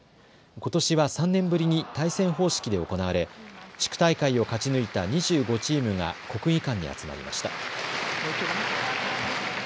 ことしは３年ぶりに対戦方式で行われ、地区大会を勝ち抜いた２５チームが国技館に集まりました。